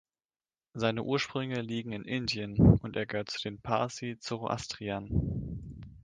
Seine Ursprünge liegen in Indien und er gehört zu den Parsi Zoroastriern.